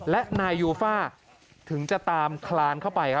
และนายยูฟ่าถึงจะตามคลานเข้าไป